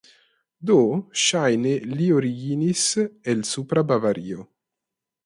Do ŝajne li originis el Supra Bavario.